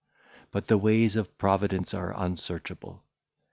But the ways of Providence are unsearchable.